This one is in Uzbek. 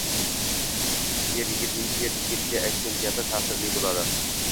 Er yigitning er yigitga aytgan gapi ta’sirli bo‘ladi!